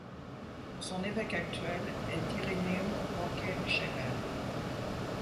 Son évêque actuel est Irineu Roque Scherer.